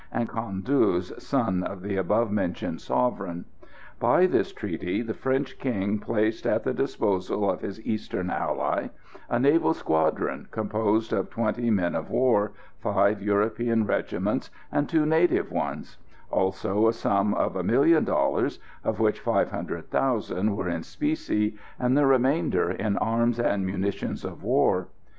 and Cang Dzue, son of the above mentioned sovereign. By this treaty the French king placed at the disposal of his Eastern ally a naval squadron composed of twenty men of war, five European regiments and two native ones; also a sum of 1,000,000 dollars, of which 500,000 were in specie, and the remainder in arms and munitions of war.